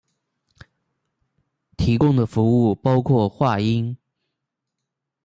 提供的服务包括话音。